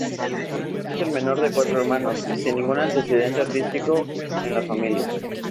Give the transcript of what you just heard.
Es el menor de cuatro hermanos, sin ningún antecedente artístico en la familia.